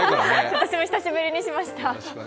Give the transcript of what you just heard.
私も久しぶりにしました。